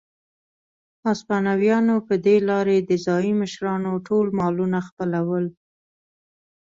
هسپانویانو په دې لارې د ځايي مشرانو ټول مالونه خپلول.